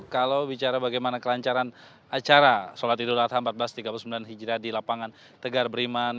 kalau bicara bagaimana kelancaran acara sholat idul adha seribu empat ratus tiga puluh sembilan hijrah di lapangan tegar beriman